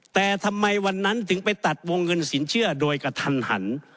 แต่ทำไมวันนั้นถึงไปตัดวงเงินสินเชื่อโดยกระทันหัน